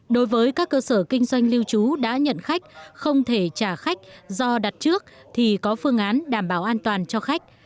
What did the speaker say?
đối với các cơ sở kinh doanh lưu trú đã nhận khách không thể trả khách do đặt trước thì có phương án đảm bảo an toàn cho khách